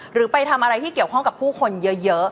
หรือไปทำอะไรที่เกี่ยวข้องกับผู้คนเยอะ